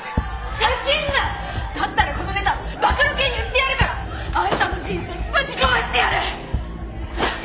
だったらこのネタ暴露系に売ってやるから！あんたの人生ぶち壊してやる！